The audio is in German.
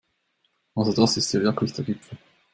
Also das ist ja wirklich der Gipfel!